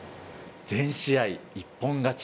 全試合一本勝ち。